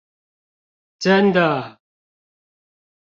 真的！